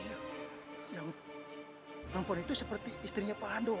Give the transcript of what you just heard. ya yang perempuan itu seperti istrinya pak ando